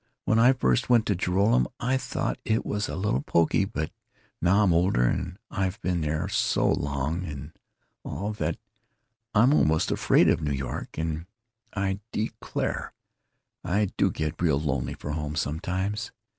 When I first went to Joralemon, I thought it was a little pokey, but now I'm older, and I've been there so long and all, that I'm almost afraid of New York, and I declare I do get real lonely for home sometimes.